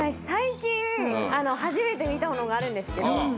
最近初めて見たものがあるんですけど。